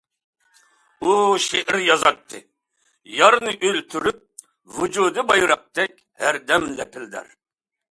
ئۇ شېئىر يازاتتى يارنى ئۆلتۈرۈپ ۋۇجۇدى بايراقتەك ھەردەم لەپىلدەر.